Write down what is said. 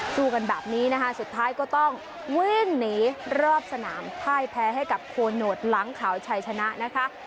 สู้กันแบบนี้นะคะสุดท้ายก็ต้องวิ่งหนีรอบสนามพ่ายแพ้ให้กับโคโนตหลังขาวชัยชนะนะคะ